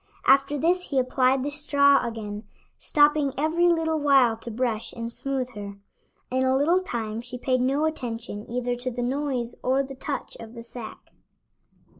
After this he applied the straw again, stopping every little while to brush and smoothe her. In a little time she paid no attention either to the noise or the touch of the sack.